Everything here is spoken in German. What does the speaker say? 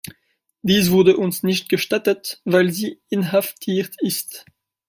Dies wurde uns nicht gestattet, weil sie inhaftiert ist.